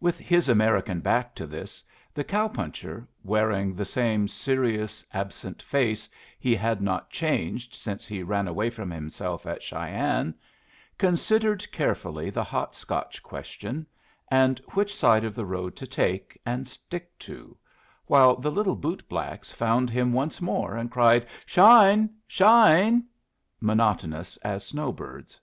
With his American back to this, the cow puncher, wearing the same serious, absent face he had not changed since he ran away from himself at Cheyenne, considered carefully the Hot Scotch question, and which side of the road to take and stick to, while the little bootblacks found him once more and cried, "Shine? Shine?" monotonous as snow birds.